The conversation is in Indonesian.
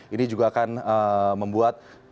ini juga akan membuat